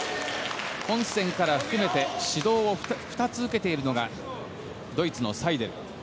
本戦から含めて指導を２つ受けているのがドイツのサイデル。